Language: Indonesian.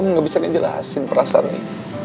aku gak bisa menjelaskan perasaan ini